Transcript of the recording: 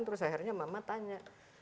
terus akhirnya mama tanya